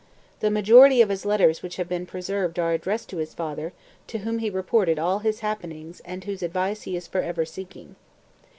The majority of his letters which have been preserved are addressed to his father, to whom he reported all his happenings and whose advice he is forever seeking.